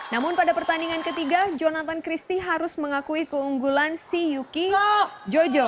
namun pada pertandingan ketiga jonathan christie harus mengakui keunggulan si yuki jojo